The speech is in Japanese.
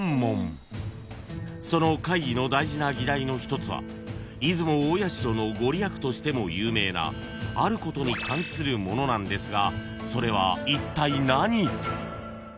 ［その会議の大事な議題の一つは出雲大社の御利益としても有名なあることに関するものなんですがそれはいったい何？］